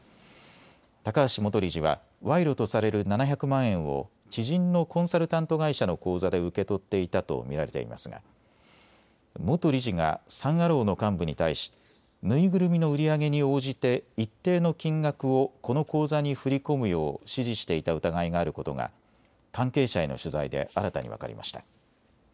高橋元理事は賄賂とされる７００万円を知人のコンサルタント会社の口座で受け取っていたと見られていますが、元理事がサン・アローの幹部に対し縫いぐるみの売り上げに応じて一定の金額をこの口座に振り込むよう指示していた疑いがあることが関係者への取材で新たに分かりました。